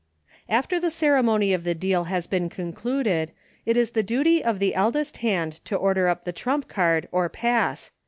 After the ceremony of the deal has been concluded, it is the duty of the eldest hand to order up the trump card or pass.